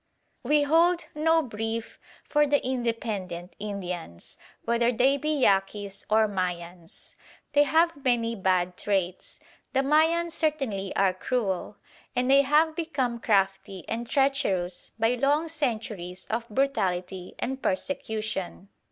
We hold no brief for the independent Indians, whether they be Yaquis or Mayans. They have many bad traits. The Mayans certainly are cruel, and they have become crafty and treacherous by long centuries of brutality and persecution.